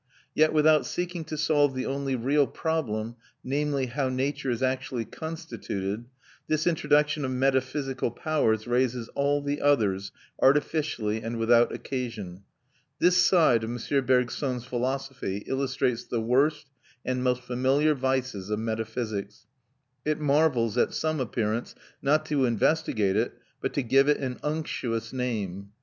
Yet without seeking to solve the only real problem, namely, how nature is actually constituted, this introduction of metaphysical powers raises all the others, artificially and without occasion. This side of M. Bergson's philosophy illustrates the worst and most familiar vices of metaphysics. It marvels at some appearance, not to investigate it, but to give it an unctuous name.